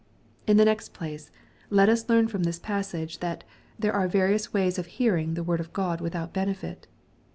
In the next place, let us learn from this passage, that there are various ways of hearing the word of God without benefit.